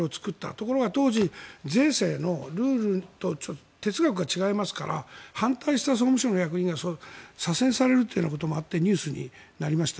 ところが当時、税制のルールと哲学が違いますから反対した総務省の役員が左遷されるということもあってニュースになりました。